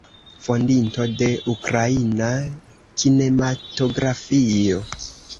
Fondinto de ukraina kinematografio.